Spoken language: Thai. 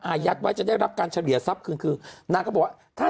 ยัดไว้จะได้รับการเฉลี่ยทรัพย์คืนคือนางก็บอกว่าถ้า